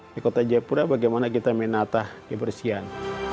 di kota jayapura bagaimana kita menatah kebersihan